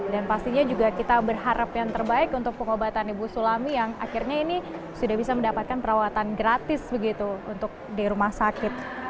dan pastinya juga kita berharap yang terbaik untuk pengobatan ibu sulami yang akhirnya ini sudah bisa mendapatkan perawatan gratis begitu untuk di rumah sakit